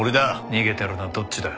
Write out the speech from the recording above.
逃げてるのはどっちだ？